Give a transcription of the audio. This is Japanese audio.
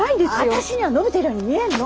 私には伸びてるように見えんの。